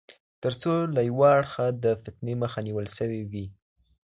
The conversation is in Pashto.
تر څو له يوه اړخه د فتنې مخه نيول سوې وي